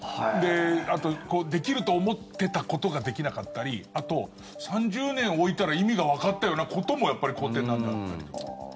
あと、できると思ってたことができなかったりあと、３０年おいたら意味がわかったようなこともやっぱり古典なんだって。